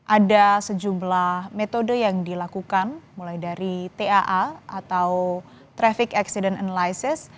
ada sejumlah metode yang dilakukan mulai dari taa atau traffic accident analysis